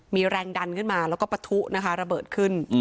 มีแรงดันขึ้นมาแล้วก็ปะทุนะคะระเบิดขึ้น